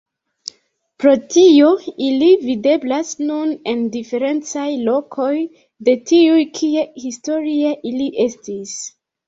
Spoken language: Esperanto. Pro tio ili videblas nun en diferencaj lokoj de tiuj kie historie ili estis.